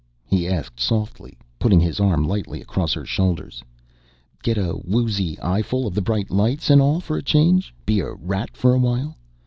he asked softly, putting his arm lightly across her shoulders. "Get a woozy eyeful of the bright lights and all for a change? Be a rat for a while?